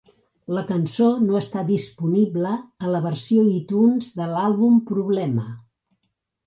La cançó no està disponible a la versió iTunes de l'àlbum "Problema".